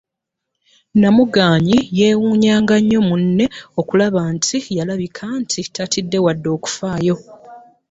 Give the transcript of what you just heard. Namugaanyi yeewuunyanga nnyo munne okulaba nti y'alabika nti tatidde wadde okufaayo.